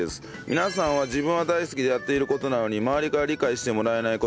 皆さんは自分は大好きでやっている事なのに周りから理解してもらえない事はありますか？